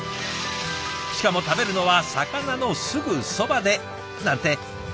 しかも食べるのは魚のすぐそばでなんて充実してますね。